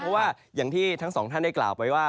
เพราะว่าอย่างที่ทั้งสองท่านได้กล่าวไปว่า